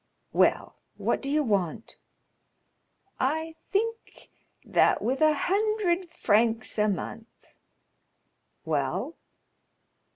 "Well, what do you want?" "I think that with a hundred francs a month——" "Well?"